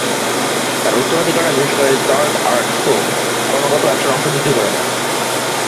তার উত্তরাধিকারীরা, বিশেষ করে র্যান্ড আরাসকোগ, ক্রমাগতভাবে ব্যবসার অংশ বিক্রি করে দেন।